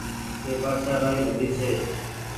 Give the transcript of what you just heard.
ڪي بآڇآ رآئي ڀلي ڇي